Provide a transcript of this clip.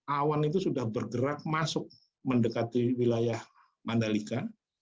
awan itu sudah bergerak masuk mendekati wilayah mandalika